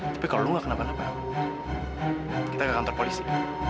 tapi kalau lu gak kenapa kenapa kita ke kantor polisi